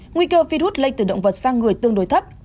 nguy cơ virus lây từ động vật sang người tương đối thấp